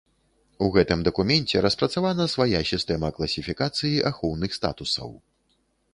У гэтым дакуменце распрацавана свая сістэма класіфікацыі ахоўных статусаў.